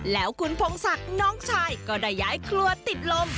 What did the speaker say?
แล้วคุณพงศักดิ์น้องชายก็ได้ย้ายครัวติดลม